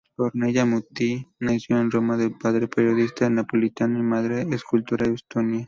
Ornella Muti nació en Roma, de padre periodista napolitano y madre escultora estonia.